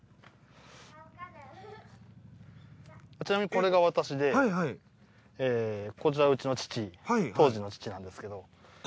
ちなみにこれが私でこちらうちの父当時の父なんですけど。